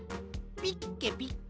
「ピッケピッケ」？